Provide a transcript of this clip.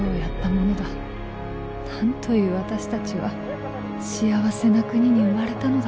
なんという私たちは幸せな国に生まれたのだろう」。